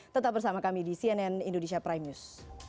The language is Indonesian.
tetap bersama kami di cnn indonesia prime news